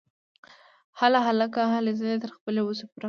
هله هلکه ! هلې ځلې تر خپلې وسې پوره کوه!